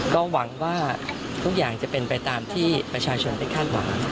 ก็หวังว่าทุกอย่างจะเป็นไปตามที่ประชาชนได้คาดหวัง